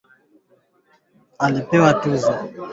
Nyama ikiiva kidogo ipua na kuweka pembeni